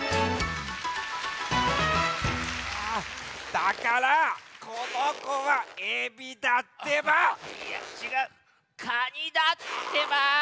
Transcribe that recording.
だからこのこはエビだってば！いやちがうカニだってば！